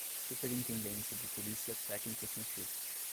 Superintendência de polícia técnico-científica